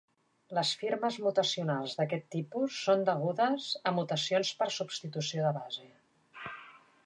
Les firmes mutacionals d’aquest tipus són degudes a mutacions per substitució de base.